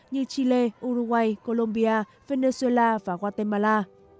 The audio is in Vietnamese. như chile uruguay colombia venezuela và guatemala